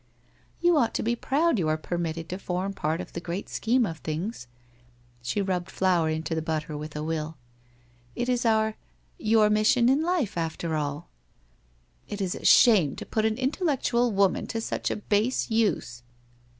' You ought to be proud you are permitted to form part of the great scheme of things.' — She rubbed flour into the butter with a will. —' It is our —} our mission in life after all !'' It is a shame to put an intellectual woman to such a base use.'